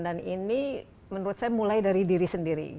dan ini menurut saya mulai dari diri sendiri